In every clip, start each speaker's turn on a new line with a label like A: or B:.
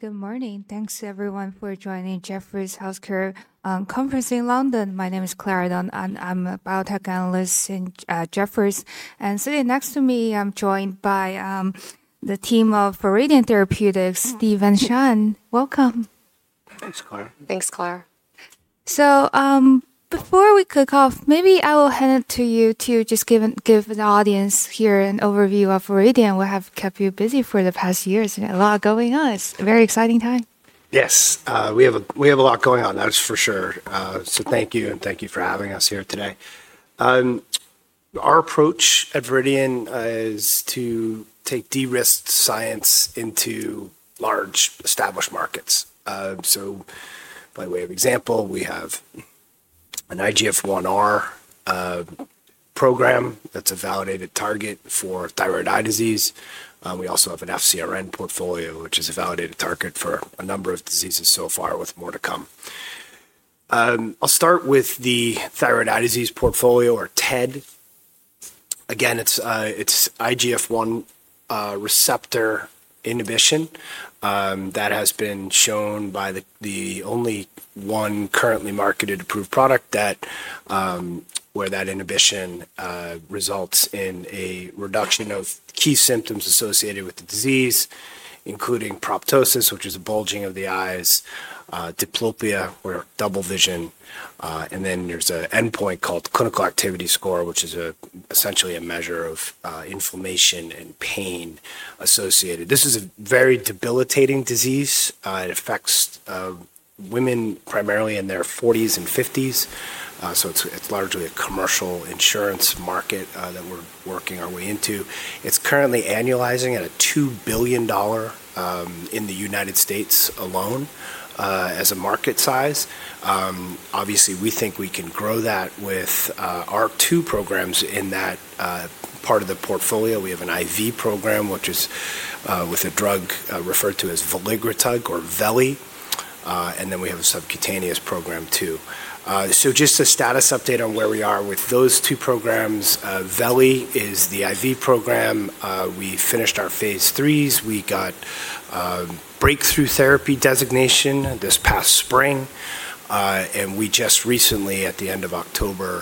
A: Good morning. Thanks, everyone, for joining Jefferies Healthcare Conference in London. My name is Clara Dunn, and I'm a biotech analyst in Jefferies. Sitting next to me, I'm joined by the team of Viridian Therapeutics, Steve andShan. Welcome.
B: Thanks, Clara.
C: Thanks, Clara.
A: Before we kick off, maybe I will hand it to you to just give the audience here an overview of Viridian. We have kept you busy for the past years. A lot going on. It's a very exciting time.
B: Yes, we have a lot going on, that's for sure. Thank you, and thank you for having us here today. Our approach at Viridian is to take de-risked science into large, established markets. By way of example, we have an IGF-1R program that's a validated target for thyroid eye disease. We also have an FcRn portfolio, which is a validated target for a number of diseases so far, with more to come. I'll start with the thyroid eye disease portfolio, or TED. Again, it's IGF-1 receptor inhibition that has been shown by the only one currently marketed approved product where that inhibition results in a reduction of key symptoms associated with the disease, including proptosis, which is a bulging of the eyes, diplopia, or double vision. There is an endpoint called clinical activity score, which is essentially a measure of inflammation and pain associated. This is a very debilitating disease. It affects women primarily in their 40s and 50s. It's largely a commercial insurance market that we're working our way into. It's currently annualizing at a $2 billion in the United States alone as a market size. Obviously, we think we can grow that with our two programs in that part of the portfolio. We have an IV program, which is with a drug referred to as veligrotug, or Veli. And then we have a subcutaneous program too. Just a status update on where we are with those two programs. Veli is the IV program. We finished our phase threes. We got breakthrough therapy designation this past spring. We just recently, at the end of October,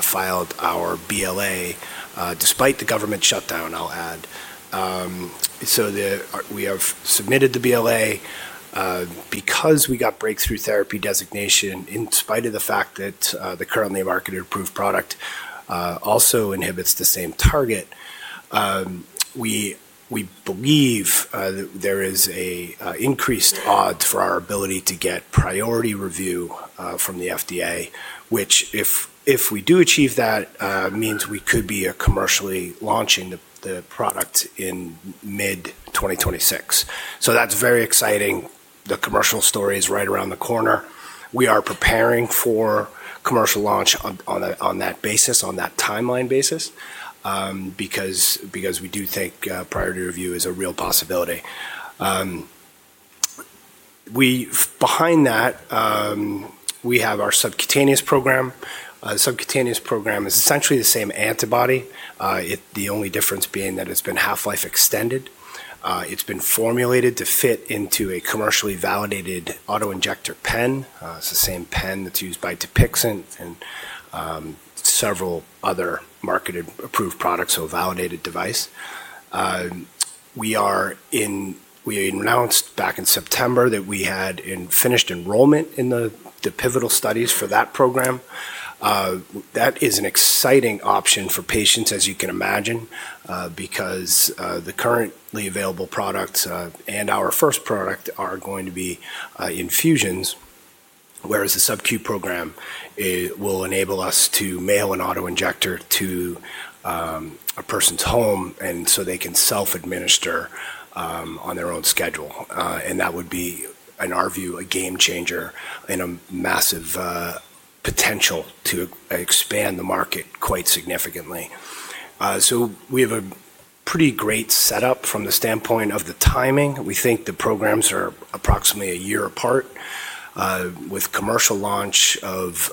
B: filed our BLA, despite the government shutdown, I'll add. We have submitted the BLA because we got breakthrough therapy designation, in spite of the fact that the currently marketed approved product also inhibits the same target. We believe there is an increased odds for our ability to get priority review from the FDA, which, if we do achieve that, means we could be commercially launching the product in mid-2026. That is very exciting. The commercial story is right around the corner. We are preparing for commercial launch on that basis, on that timeline basis, because we do think priority review is a real possibility. Behind that, we have our subcutaneous program. The subcutaneous program is essentially the same antibody, the only difference being that it has been half-life extended. It has been formulated to fit into a commercially validated autoinjector pen. It is the same pen that is used by Dupixent and several other marketed approved products, so a validated device. We announced back in September that we had finished enrollment in the pivotal studies for that program. That is an exciting option for patients, as you can imagine, because the currently available products and our first product are going to be infusions, whereas the subQ program will enable us to mail an autoinjector to a person's home, and they can self-administer on their own schedule. That would be, in our view, a game changer and a massive potential to expand the market quite significantly. We have a pretty great setup from the standpoint of the timing. We think the programs are approximately a year apart. With commercial launch of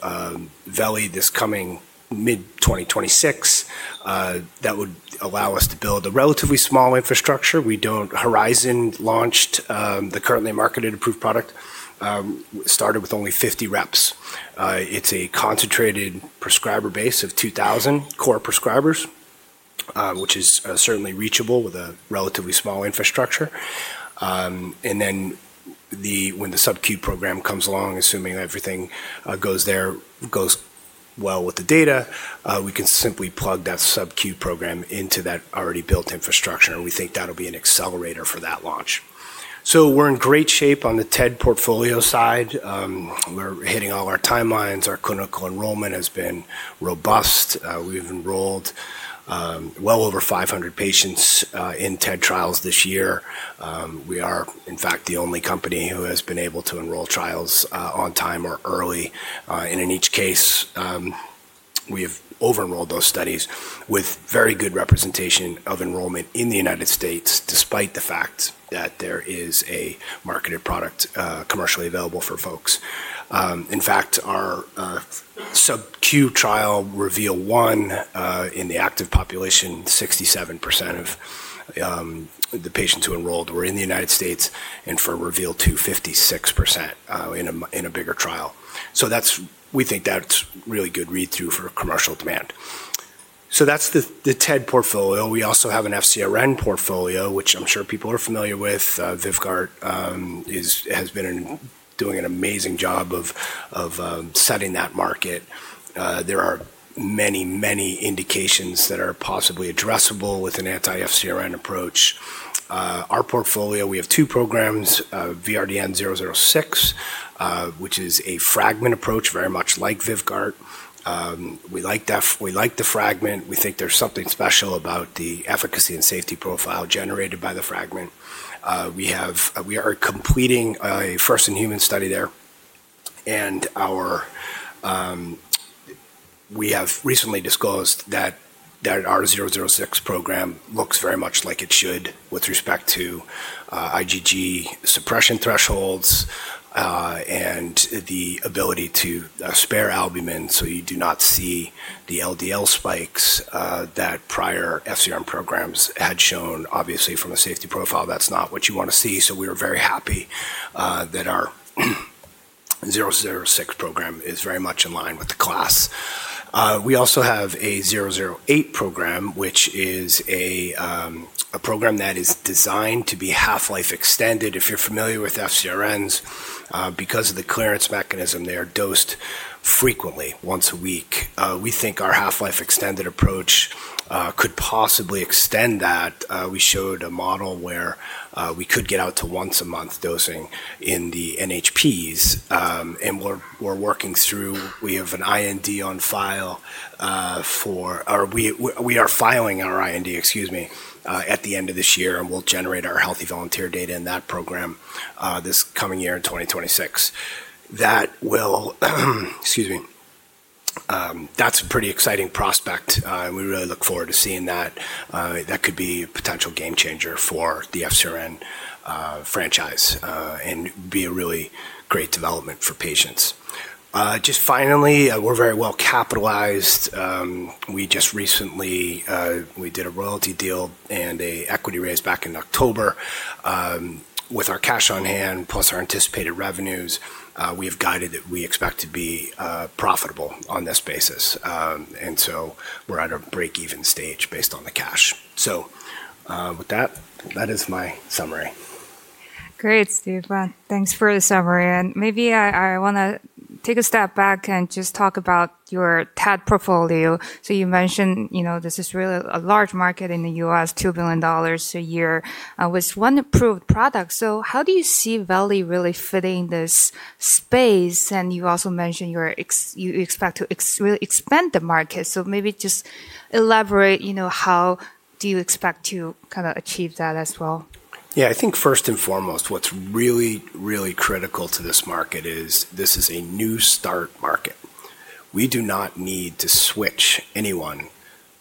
B: Veligrotug this coming mid-2026, that would allow us to build a relatively small infrastructure. Horizon launched the currently marketed approved product, started with only 50 reps. It's a concentrated prescriber base of 2,000 core prescribers, which is certainly reachable with a relatively small infrastructure. When the subQ program comes along, assuming everything goes well with the data, we can simply plug that subQ program into that already built infrastructure. We think that'll be an accelerator for that launch. We are in great shape on the TED portfolio side. We are hitting all our timelines. Our clinical enrollment has been robust. We've enrolled well over 500 patients in TED trials this year. We are, in fact, the only company who has been able to enroll trials on time or early. In each case, we have over-enrolled those studies with very good representation of enrollment in the United States, despite the fact that there is a marketed product commercially available for folks. In fact, our subQ trial, Reveal 1, in the active population, 67% of the patients who enrolled were in the United States, and for Reveal 2, 56% in a bigger trial. We think that's really good read-through for commercial demand. That's the TED portfolio. We also have an FcRn portfolio, which I'm sure people are familiar with. Vyvgart has been doing an amazing job of setting that market. There are many, many indications that are possibly addressable with an anti-FcRn approach. Our portfolio, we have two programs, VRDN-006, which is a fragment approach, very much like Vyvgart. We like the fragment. We think there's something special about the efficacy and safety profile generated by the fragment. We are completing a first-in-human study there. We have recently disclosed that our 006 program looks very much like it should with respect to IgG suppression thresholds and the ability to spare albumin, so you do not see the LDL spikes that prior FcRn programs had shown. Obviously, from a safety profile, that's not what you want to see. We are very happy that our 006 program is very much in line with the class. We also have a 008 program, which is a program that is designed to be half-life extended. If you're familiar with FcRns, because of the clearance mechanism, they are dosed frequently, once a week. We think our half-life extended approach could possibly extend that. We showed a model where we could get out to once-a-month dosing in the NHPs. We're working through, we have an IND on file for, or we are filing our IND, excuse me, at the end of this year, and we'll generate our healthy volunteer data in that program this coming year in 2026. That will, excuse me, that's a pretty exciting prospect. We really look forward to seeing that. That could be a potential game changer for the FcRn franchise and be a really great development for patients. Just finally, we're very well capitalized. We just recently, we did a royalty deal and an equity raise back in October. With our cash on hand, plus our anticipated revenues, we have guided that we expect to be profitable on this basis. We're at a break-even stage based on the cash. With that, that is my summary.
A: Great, Stephen. Thanks for the summary. Maybe I want to take a step back and just talk about your TED portfolio. You mentioned this is really a large market in the U.S., $2 billion a year with one approved product. How do you see Veli really fitting this space? You also mentioned you expect to really expand the market. Maybe just elaborate, how do you expect to kind of achieve that as well?
B: Yeah, I think first and foremost, what's really, really critical to this market is this is a new start market. We do not need to switch anyone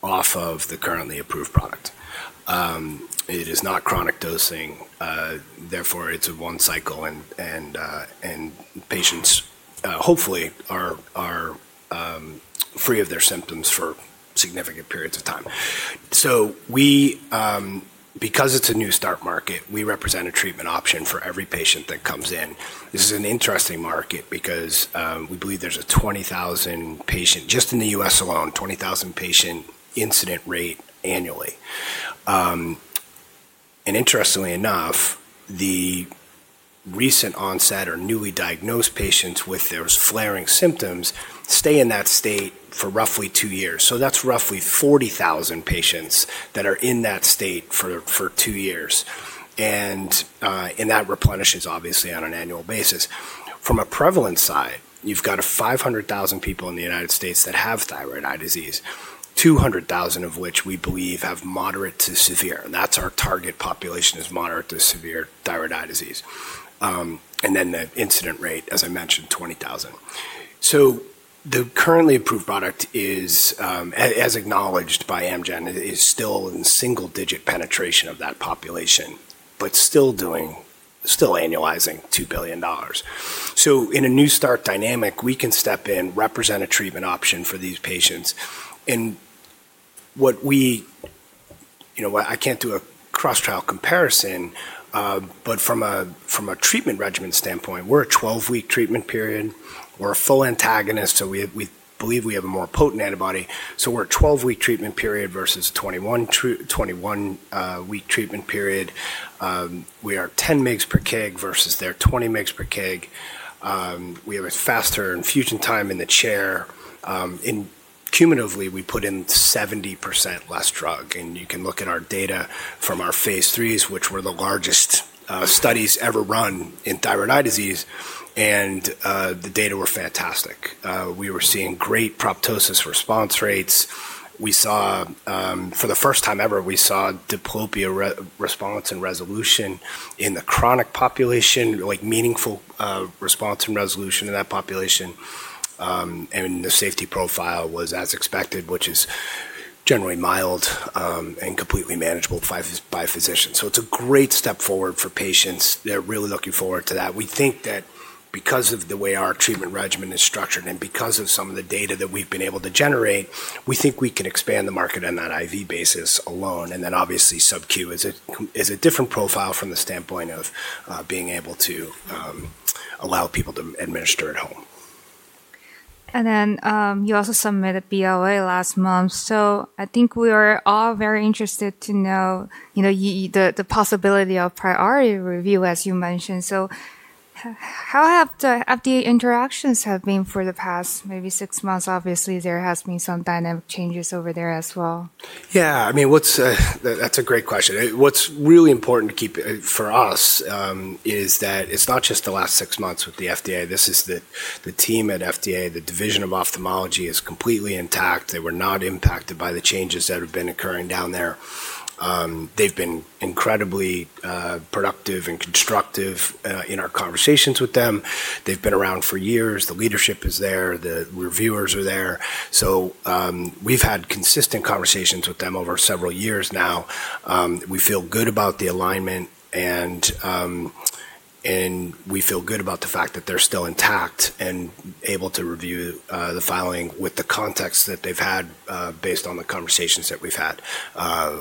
B: off of the currently approved product. It is not chronic dosing. Therefore, it's a one cycle, and patients hopefully are free of their symptoms for significant periods of time. We, because it's a new start market, we represent a treatment option for every patient that comes in. This is an interesting market because we believe there's a 20,000 patient, just in the U.S. alone, 20,000 patient incident rate annually. Interestingly enough, the recent onset or newly diagnosed patients with those flaring symptoms stay in that state for roughly two years. That's roughly 40,000 patients that are in that state for two years. That replenishes, obviously, on an annual basis. From a prevalence side, you've got 500,000 people in the United States that have thyroid eye disease, 200,000 of which we believe have moderate to severe. That's our target population is moderate to severe thyroid eye disease. The incident rate, as I mentioned, 20,000. The currently approved product is, as acknowledged by Amgen, still in single-digit penetration of that population, but still annualizing $2 billion. In a new start dynamic, we can step in, represent a treatment option for these patients. What we, you know, I can't do a cross-trial comparison, but from a treatment regimen standpoint, we're a 12-week treatment period. We're a full antagonist, so we believe we have a more potent antibody. We're a 12-week treatment period versus a 21-week treatment period. We are 10 mg per kg versus they're 20 mg per kg. We have a faster infusion time in the chair. And cumulatively, we put in 70% less drug. You can look at our data from our phase threes, which were the largest studies ever run in thyroid eye disease. The data were fantastic. We were seeing great proptosis response rates. We saw, for the first time ever, diplopia response and resolution in the chronic population, like meaningful response and resolution in that population. The safety profile was as expected, which is generally mild and completely manageable by physicians. It is a great step forward for patients. They are really looking forward to that. We think that because of the way our treatment regimen is structured and because of some of the data that we have been able to generate, we think we can expand the market on that IV basis alone. Obviously, subQ is a different profile from the standpoint of being able to allow people to administer at home.
A: You also submitted BLA last month. I think we are all very interested to know the possibility of priority review, as you mentioned. How have the FDA interactions been for the past maybe six months? Obviously, there have been some dynamic changes over there as well.
B: Yeah, I mean, that's a great question. What's really important for us is that it's not just the last six months with the FDA. This is the team at FDA, the division of ophthalmology is completely intact. They were not impacted by the changes that have been occurring down there. They've been incredibly productive and constructive in our conversations with them. They've been around for years. The leadership is there. The reviewers are there. We’ve had consistent conversations with them over several years now. We feel good about the alignment, and we feel good about the fact that they're still intact and able to review the filing with the context that they've had based on the conversations that we've had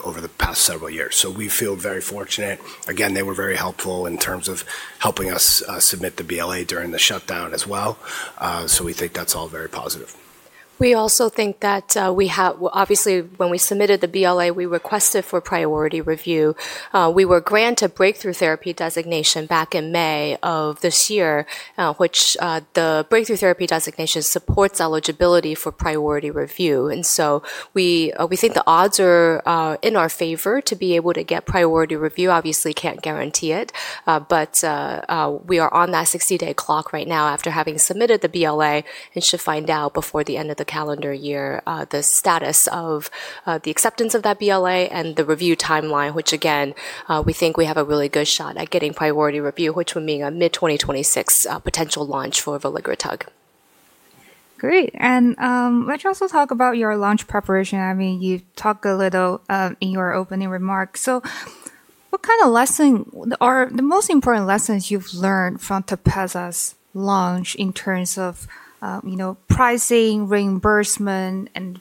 B: over the past several years. We feel very fortunate. Again, they were very helpful in terms of helping us submit the BLA during the shutdown as well. We think that's all very positive.
C: We also think that we have, obviously, when we submitted the BLA, we requested for priority review. We were granted breakthrough therapy designation back in May of this year, which the breakthrough therapy designation supports eligibility for priority review. We think the odds are in our favor to be able to get priority review. Obviously, can't guarantee it, but we are on that 60-day clock right now after having submitted the BLA and should find out before the end of the calendar year the status of the acceptance of that BLA and the review timeline, which again, we think we have a really good shot at getting priority review, which would mean a mid-2026 potential launch for Veligrotug.
A: Great. Let's also talk about your launch preparation. I mean, you talked a little in your opening remarks. What kind of lesson, or the most important lessons you've learned from Tepezza's launch in terms of pricing, reimbursement, and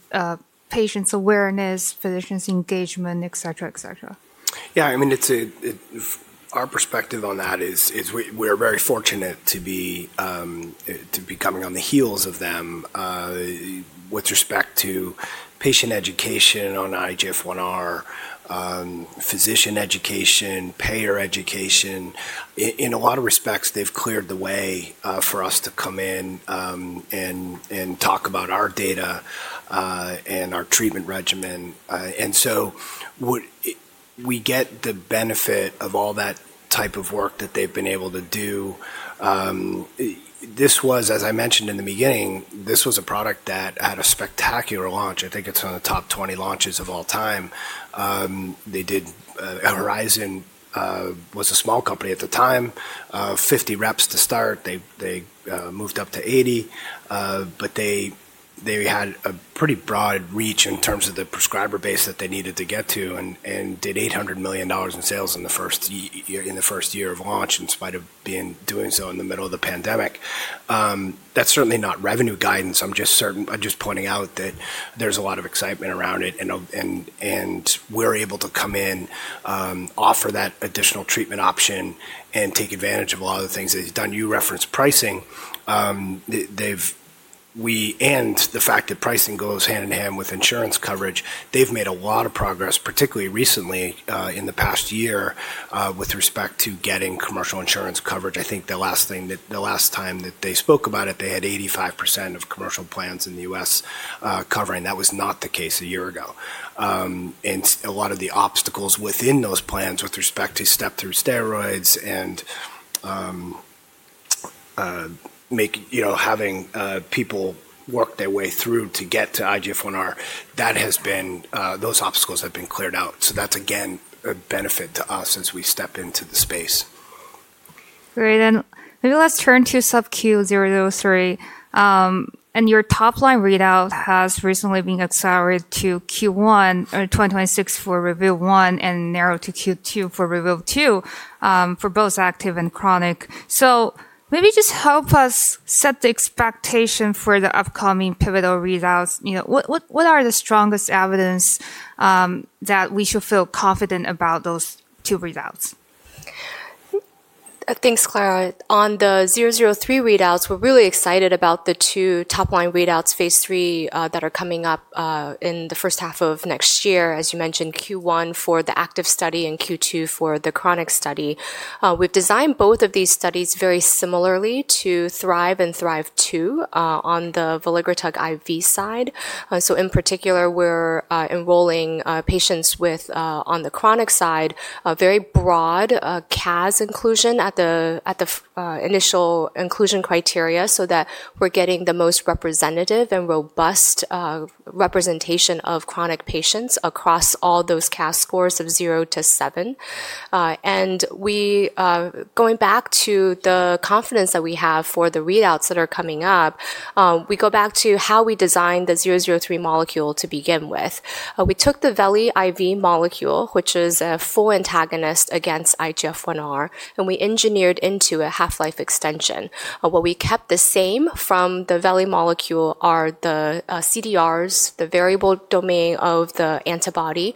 A: patient awareness, physicians' engagement, et cetera, et cetera?
B: Yeah, I mean, our perspective on that is we are very fortunate to be coming on the heels of them with respect to patient education on IGF-1R, physician education, payer education. In a lot of respects, they've cleared the way for us to come in and talk about our data and our treatment regimen. We get the benefit of all that type of work that they've been able to do. This was, as I mentioned in the beginning, this was a product that had a spectacular launch. I think it's one of the top 20 launches of all time. They did, Horizon was a small company at the time, 50 reps to start. They moved up to 80, but they had a pretty broad reach in terms of the prescriber base that they needed to get to and did $800 million in sales in the first year of launch in spite of being doing so in the middle of the pandemic. That is certainly not revenue guidance. I'm just pointing out that there's a lot of excitement around it, and we're able to come in, offer that additional treatment option, and take advantage of a lot of the things they've done. You referenced pricing. We and the fact that pricing goes hand in hand with insurance coverage. They've made a lot of progress, particularly recently in the past year with respect to getting commercial insurance coverage. I think the last time that they spoke about it, they had 85% of commercial plans in the U.S. covering. That was not the case a year ago. A lot of the obstacles within those plans with respect to step-through steroids and having people work their way through to get to IGF-1R, those obstacles have been cleared out. That is, again, a benefit to us as we step into the space.
A: Great. Maybe let's turn to subQ 003. Your top-line readout has recently been accelerated to Q1 2026 for Review one and narrowed to Q2 for Review two for both active and chronic. Maybe just help us set the expectation for the upcoming pivotal readouts. What are the strongest evidence that we should feel confident about those two readouts?
C: Thanks, Clara. On the 003 readouts, we're really excited about the two top-line readouts, phase three, that are coming up in the first half of next year, as you mentioned, Q1 for the active study and Q2 for the chronic study. We've designed both of these studies very similarly to Thrive and Thrive 2 on the Veligrotug IV side. In particular, we're enrolling patients on the chronic side, a very broad CAS inclusion at the initial inclusion criteria so that we're getting the most representative and robust representation of chronic patients across all those CAS scores of zero to seven. Going back to the confidence that we have for the readouts that are coming up, we go back to how we designed the 003 molecule to begin with. We took the Veli IV molecule, which is a full antagonist against IGF-1R, and we engineered into a half-life extension. What we kept the same from the Veli molecule are the CDRs, the variable domain of the antibody.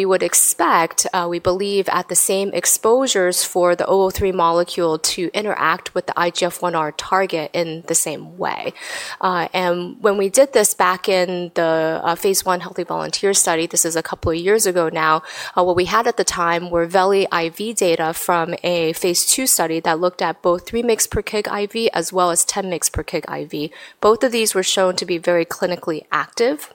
C: We would expect, we believe, at the same exposures for the 003 molecule to interact with the IGF-1R target in the same way. When we did this back in the phase I healthy volunteer study, this is a couple of years ago now, what we had at the time were Veli IV data from a phase II study that looked at both 3 mg per kg IV as well as 10 mg per kg IV. Both of these were shown to be very clinically active.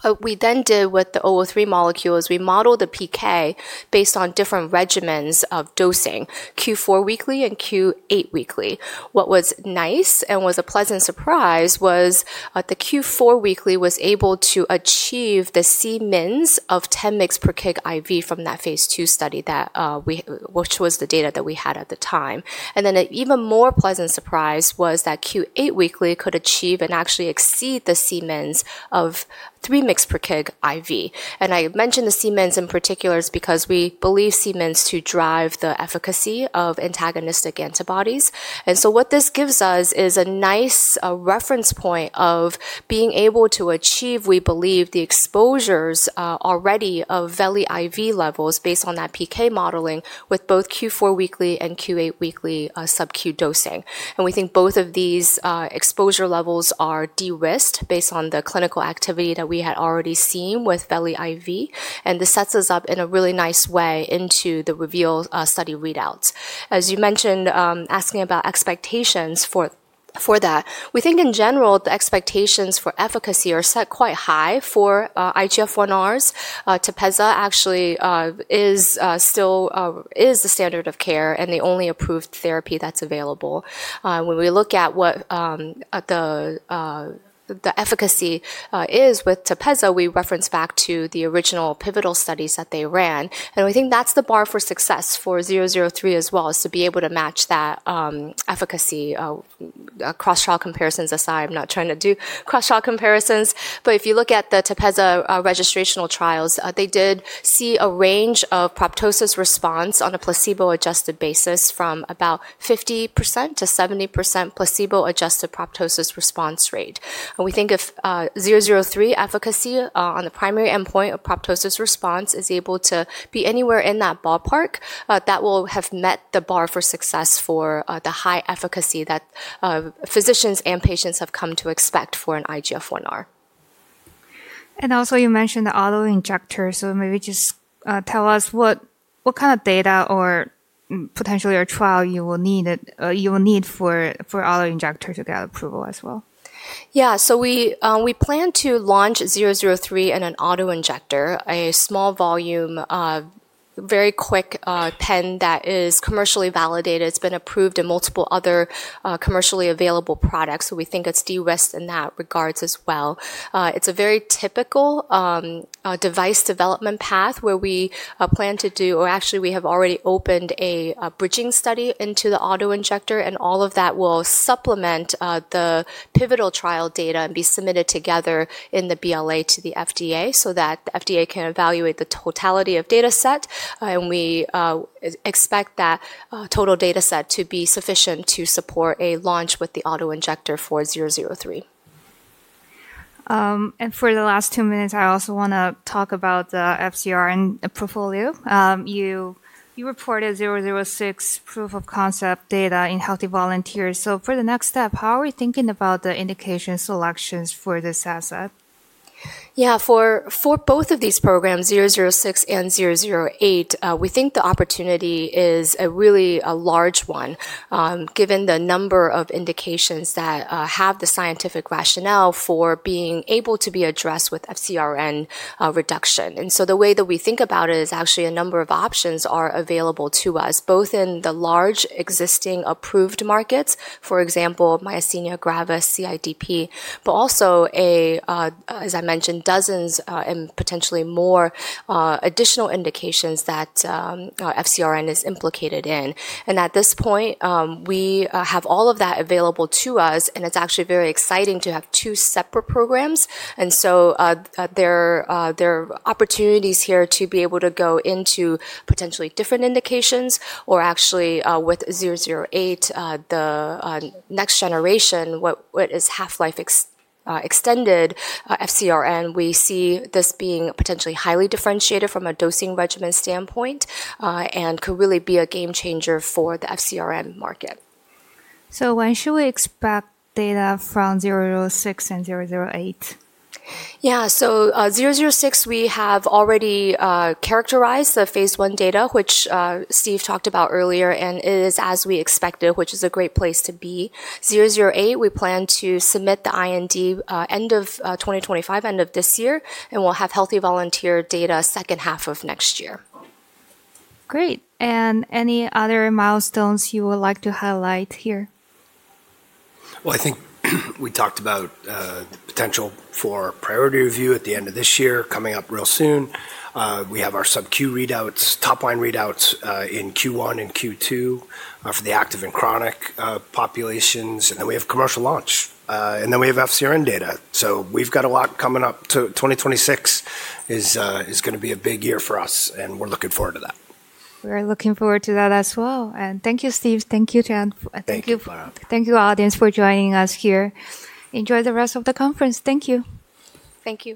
C: What we then did with the 003 molecule is we modeled the PK based on different regimens of dosing, Q4 weekly and Q8 weekly. What was nice and was a pleasant surprise was the Q4 weekly was able to achieve the C mins of 10 mg per kg IV from that phase two study, which was the data that we had at the time. An even more pleasant surprise was that Q8 weekly could achieve and actually exceed the C mins of 3 mg per kg IV. I mention the C mins in particular because we believe C mins drive the efficacy of antagonistic antibodies. What this gives us is a nice reference point of being able to achieve, we believe, the exposures already of Veli IV levels based on that PK modeling with both Q4 weekly and Q8 weekly subQ dosing. We think both of these exposure levels are de-risked based on the clinical activity that we had already seen with Veli IV. This sets us up in a really nice way into the Reveal study readouts. As you mentioned, asking about expectations for that, we think in general, the expectations for efficacy are set quite high for IGF-1Rs. Tepezza actually is still the standard of care and the only approved therapy that's available. When we look at what the efficacy is with Tepezza, we reference back to the original pivotal studies that they ran. We think that's the bar for success for 003 as well, is to be able to match that efficacy. Cross-trial comparisons aside, I'm not trying to do cross-trial comparisons, but if you look at the Tepezza registrational trials, they did see a range of proptosis response on a placebo-adjusted basis from about 50%-70% placebo-adjusted proptosis response rate. We think if 003 efficacy on the primary endpoint of proptosis response is able to be anywhere in that ballpark, that will have met the bar for success for the high efficacy that physicians and patients have come to expect for an IGF-1R.
A: You mentioned the autoinjector. Maybe just tell us what kind of data or potentially a trial you will need for autoinjector to get approval as well.
C: Yeah, so we plan to launch 003 in an autoinjector, a small volume, very quick pen that is commercially validated. It's been approved in multiple other commercially available products. We think it's de-risked in that regard as well. It's a very typical device development path where we plan to do, or actually we have already opened a bridging study into the autoinjector. All of that will supplement the pivotal trial data and be submitted together in the BLA to the FDA so that the FDA can evaluate the totality of data set. We expect that total data set to be sufficient to support a launch with the autoinjector for 003.
A: For the last two minutes, I also want to talk about the FCRN portfolio. You reported 006 proof of concept data in healthy volunteers. For the next step, how are we thinking about the indication selections for this asset?
C: Yeah, for both of these programs, 006 and 008, we think the opportunity is really a large one given the number of indications that have the scientific rationale for being able to be addressed with FCRN reduction. The way that we think about it is actually a number of options are available to us, both in the large existing approved markets, for example, Myasthenia Gravis, CIDP, but also, as I mentioned, dozens and potentially more additional indications that FCRN is implicated in. At this point, we have all of that available to us. It is actually very exciting to have two separate programs. There are opportunities here to be able to go into potentially different indications. Or actually with 008, the next generation, what is half-life extended FCRN, we see this being potentially highly differentiated from a dosing regimen standpoint and could really be a game changer for the FCRN market.
A: When should we expect data from 006 and 008?
C: Yeah, so 006, we have already characterized the phase one data, which Steve talked about earlier, and it is as we expected, which is a great place to be. 008, we plan to submit the IND end of 2025, end of this year, and we'll have healthy volunteer data second half of next year.
A: Great. Any other milestones you would like to highlight here?
B: I think we talked about the potential for priority review at the end of this year coming up real soon. We have our subQ readouts, top-line readouts in Q1 and Q2 for the active and chronic populations. Then we have commercial launch. Then we have FcRn data. We have a lot coming up. 2026 is going to be a big year for us, and we're looking forward to that.
A: We are looking forward to that as well. Thank you, Steve. Thank you, Shan. Thank you.
B: Thank you, Clara.
A: Thank you, audience, for joining us here. Enjoy the rest of the conference. Thank you.
C: Thank you.